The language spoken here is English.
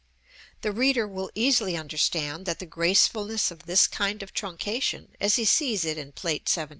The reader will easily understand that the gracefulness of this kind of truncation, as he sees it in Plate XVII.